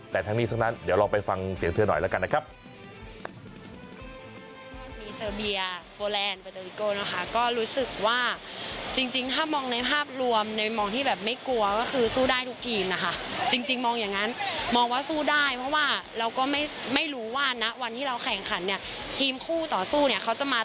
แต่ทั้งนี้ซักนั้นเดี๋ยวเราไปฟังเสียงเสื้อหน่อยละกันนะครับ